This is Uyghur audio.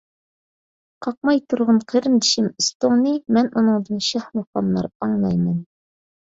قاقماي تۇرغىن قېرىندىشىم ئۈستۈڭنى، مەن ئۇنىڭدىن شاھ مۇقاملار ئاڭلاي مەن.